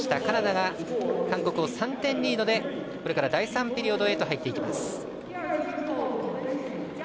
カナダが韓国を３点リードでこれから第３ピリオドへと入っていきます。